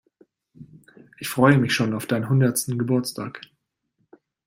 Ich freue mich schon auf deinen hundertsten Geburtstag.